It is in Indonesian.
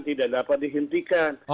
tidak dapat dihentikan